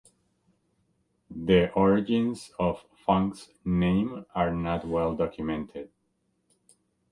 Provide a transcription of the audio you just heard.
The origins of Funk's name are not well documented.